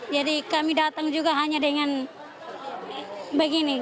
jadi kami datang juga hanya dengan begini